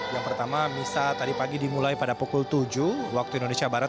yang pertama misa tadi pagi dimulai pada pukul tujuh waktu indonesia barat